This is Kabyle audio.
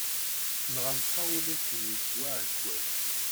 Nɣant taɣulit-nni s uɛekkaz.